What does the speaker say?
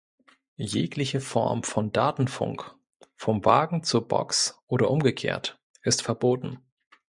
Jegliche Form von Datenfunk vom Wagen zur Box oder umgekehrt ist verboten.